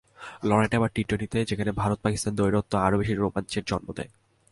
লড়াইটা এবার টি-টোয়েন্টিতে, যেখানে ভারত-পাকিস্তান দ্বৈরথ আরও বেশি রোমাঞ্চের জন্ম দেয়।